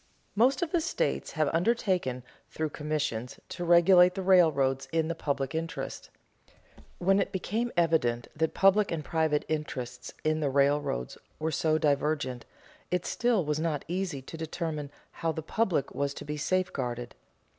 Most of the states have undertaken, through commissions, to regulate the railroads in the public interest. When it became evident that public and private interests in the railroads were so divergent, it still was not easy to determine how the public was to be safeguarded.